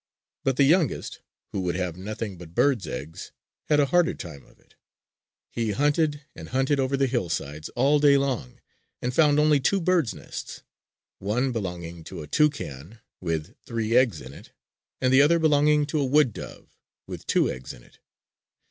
But the youngest, who would have nothing but birds' eggs, had a harder time of it. He hunted and hunted over the hillsides all day long and found only two birds' nests one belonging to a toucan, with three eggs in it, and the other belonging to a wood dove, with two eggs in it.